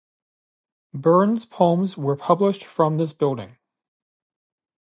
Burn's poems were published from this building.